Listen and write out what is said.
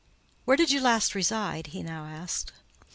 "Where did you last reside?" he now asked.